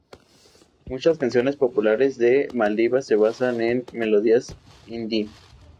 Muchas canciones populares de Maldivas se basan en melodías hindi.